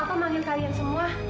aku mau memanggil kalian semua